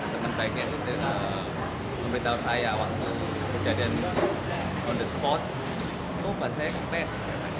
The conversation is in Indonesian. teman baiknya itu memberitahu saya waktu kejadian ini on the spot itu bahan saya kempes